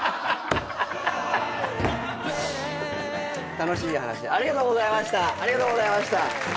楽しい話ありがとうございましたありがとうございました。